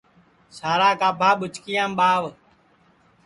سارا گابھا ٻُچکِیام ٻاہوَ